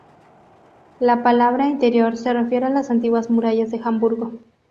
La palabra "interior" se refiere a las antiguas murallas de Hamburgo.